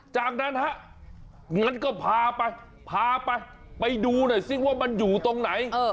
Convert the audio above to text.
จากนั้นฮะงั้นก็พาไปพาไปไปดูหน่อยซิว่ามันอยู่ตรงไหน